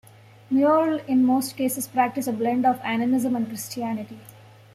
Murle in most cases practice a blend of animism and Christianity.